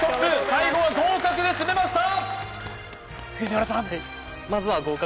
最後は合格でしめました！